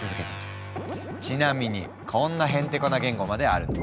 ちなみにこんなへんてこな言語まであるの。